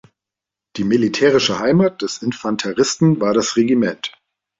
Die militärische Heimat des Infanteristen war das Regiment.